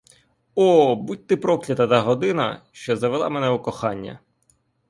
О, будь ти проклята та година, що завела мене у кохання!